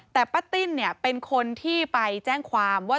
แต่ป้าติ้นเนี่ยเป็นคนที่ไปแจ้งความว่า